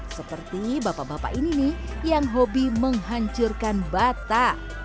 seperti bapak bapak ini nih yang hobi menghancurkan bata